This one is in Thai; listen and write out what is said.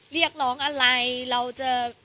เรียกร้องอะไรเราจะ